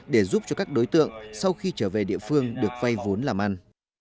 để giúp cho các đối tượng sau khi trở về địa phương được vay vốn làm ăn